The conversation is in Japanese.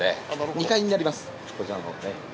２階になります。